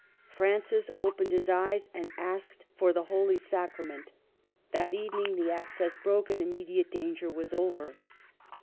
Francis opened his eyes and asked for the Holy Sacra ment. That evening the abscess broke, and immediate danger was over.